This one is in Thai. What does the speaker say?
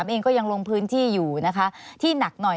เองก็ยังลงพื้นที่อยู่นะคะที่หนักหน่อย